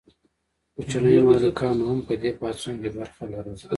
کوچنیو مالکانو هم په دې پاڅون کې برخه لرله.